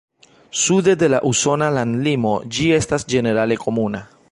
Sude de la usona landlimo ĝi estas ĝenerale komuna.